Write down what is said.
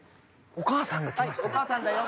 お母さんが来ましたよ。